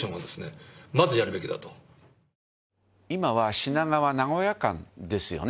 品川名古屋間ですよね。